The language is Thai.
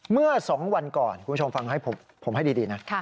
เมื่อ๒วันก่อนคุณผู้ชมฟังให้ผมให้ดีนะ